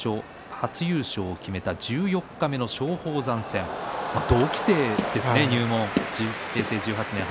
初優勝を決めた十四日目の松鳳山戦同期生ですね。